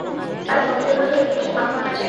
কাল সকালের মধ্যে, ওই পুলিশের মাথা আমার চাই।